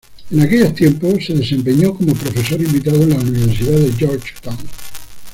En aquellos tiempos, se desempeñó como profesor invitado en la Universidad de Georgetown.